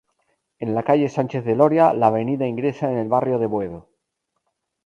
En la calle Sánchez de Loria la avenida ingresa en el barrio de Boedo.